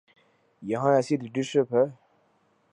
یہاں ایسی لیڈرشپ ہے؟